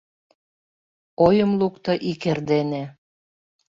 Ойым лукто ик эрдене